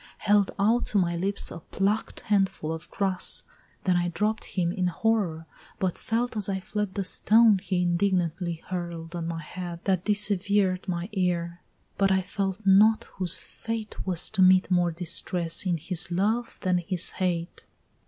Held out to my lips a pluck'd handful of grass! Then I dropt him in horror, but felt as I fled The stone he indignantly hurl'd at my head, That dissever'd my ear, but I felt not, whose fate Was to meet more distress in his love that his hate!